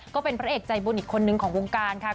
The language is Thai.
ก็เป็นพระเอกใจบุญอีกคนนึงของวงการค่ะ